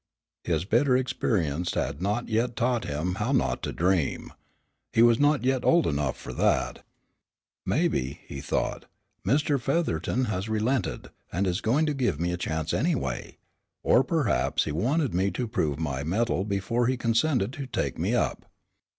His bitter experience had not yet taught him how not to dream. He was not yet old enough for that. "Maybe," he thought, "Mr. Featherton has relented, and is going to give me a chance anyway. Or perhaps he wanted me to prove my metal before he consented to take me up.